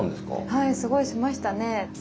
はいすごいしましたね。